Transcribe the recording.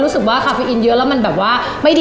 รู้สึกว่าคาเฟอินเยอะแล้วมันแบบว่า